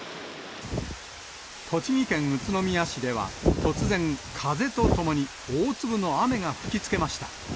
栃木県宇都宮市では突然、風とともに大粒の雨が吹きつけました。